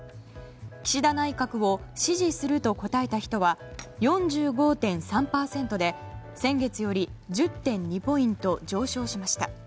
岸田内閣を支持すると答えた人は４５．３％で先月より１０．２ポイント上昇しました。